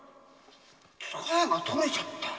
つかえが取れちゃった。